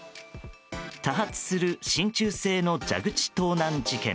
多発する真鍮製の蛇口盗難事件。